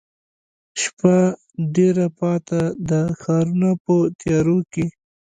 شپه ډېره پاته ده ښارونه په تیاروکې،